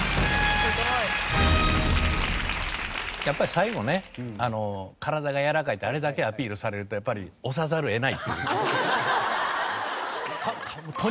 やっぱり最後ね体が柔らかいってあれだけアピールされるとやっぱり押さざるを得ないっていう。